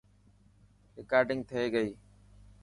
رڪارڊنگ ٿي گئي.